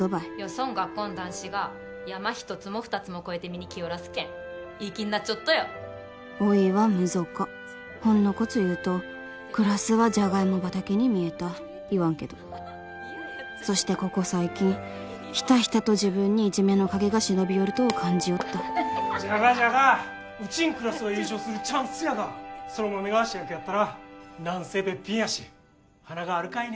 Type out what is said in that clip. そん学校ん男子が山一つも二つも越えて見に来よらすけんいい気になっちょっとよおいはむぞかほんのこつ言うとクラスはじゃがいも畑に見えた言わんけどそしてここ最近ひたひたと自分にいじめの影が忍び寄るとを感じよった・じゃがじゃがウチんクラスが優勝するチャンスやが空豆が主役やったら何せべっぴんやし華があるかいね